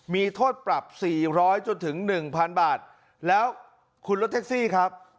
มีโทษปรับ๔๐๐จนถึง๑๐๐บาทแล้วคุณรถแท็กซี่ครับ